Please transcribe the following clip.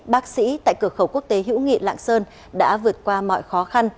bác sĩ tại cửa khẩu quốc tế hữu nghị lạng sơn đã vượt qua mọi khó khăn